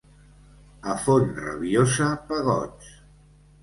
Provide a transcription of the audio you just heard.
A Font-rabiosa, pegots.